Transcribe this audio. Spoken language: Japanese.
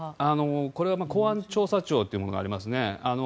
これは公安調査庁というものがありますね。